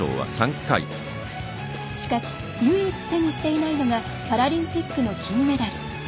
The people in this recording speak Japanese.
しかし唯一、手にしていないのがパラリンピックの金メダル。